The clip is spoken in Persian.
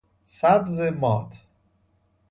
سبز مات